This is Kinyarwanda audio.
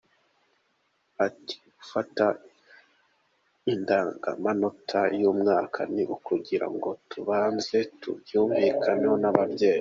Ati “Gufata indangamanota y’umwana ni ukugira ngo tubanze tubyumvikaneho n’ababyeyi.